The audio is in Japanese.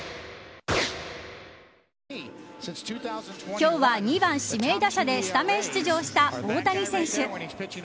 今日は２番指名打者でスタメン出場した大谷選手。